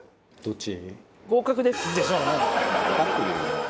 どっち？